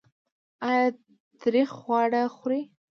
ایا تریخ خواړه خورئ؟